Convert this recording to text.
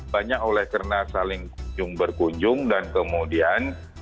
banyak oleh karena saling berkunjung dan kemudian